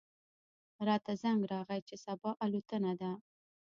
راته زنګ راغی چې صبا الوتنه ده.